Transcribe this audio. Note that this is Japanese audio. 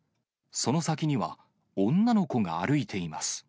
その先には、女の子が歩いています。